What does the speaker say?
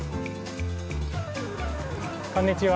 こんにちは。